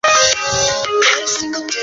也是旅游宗教胜地。